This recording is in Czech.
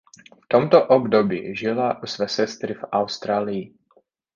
V tomto období žila u své sestry v Austrálii.